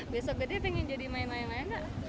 besok gede pengen jadi main layang layang nggak